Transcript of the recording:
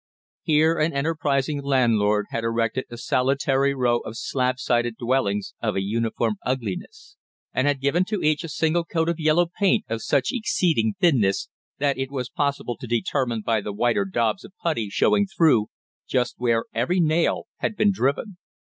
Here an enterprising landlord had erected a solitary row of slab sided dwellings of a uniform ugliness; and had given to each a single coat of yellow paint of such exceeding thinness, that it was possible to determine by the whiter daubs of putty showing through, just where every nail had been driven.